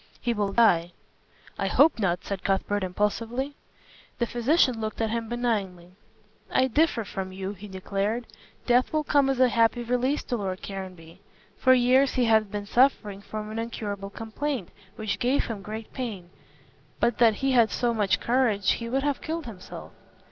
He will die." "I hope not," said Cuthbert, impulsively. The physician looked at him benignly. "I differ from you," he declared, "death will come as a happy release to Lord Caranby. For years he has been suffering from an incurable complaint which gave him great pain. But that he had so much courage, he would have killed himself."